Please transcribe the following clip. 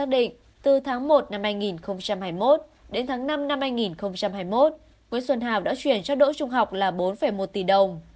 đến tháng năm năm hai nghìn hai mươi một nguyễn xuân hào đã chuyển cho đỗ trung học là bốn một tỷ đồng